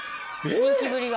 人気ぶりが。